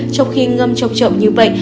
trong khi ngâm trọng trọng như vậy